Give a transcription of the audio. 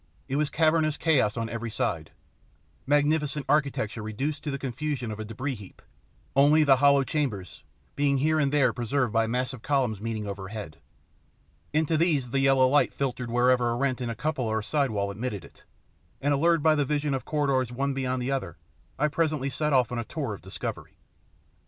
It was cavernous chaos on every side: magnificent architecture reduced to the confusion of a debris heap, only the hollow chambers being here and there preserved by massive columns meeting overhead. Into these the yellow light filtered wherever a rent in a cupola or side wall admitted it, and allured by the vision of corridors one beyond the other, I presently set off on a tour of discovery.